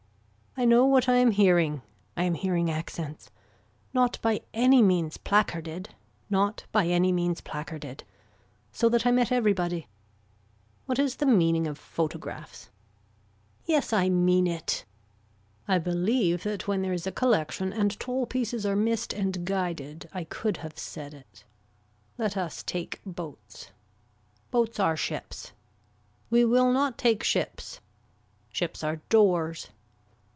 I know what I am hearing. I am hearing accents. Not by any means placarded. Not by any means placarded. So that I met everybody. What is the meaning of photographs. Yes I mean it. I believe that when there is a collection and tall pieces are missed and guided, I could have said it. Let us take boats. Boats are ships. We will not take ships. Ships are doors.